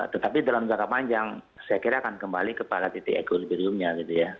tetapi dalam jangka panjang saya kira akan kembali ke pada titik equilibrium nya gitu ya